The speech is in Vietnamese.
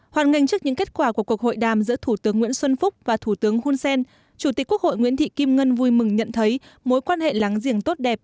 hoàn ngành trước những kết quả của cuộc hội đàm giữa thủ tướng nguyễn xuân phúc và thủ tướng hun sen chủ tịch quốc hội nguyễn thị kim ngân vui mừng nhận thấy mối quan hệ láng giềng tốt đẹp